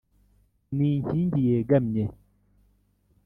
ni inkingi yegamye